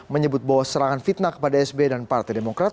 menyebut bahwa serangan fitnah kepada sbe dan partai demokrat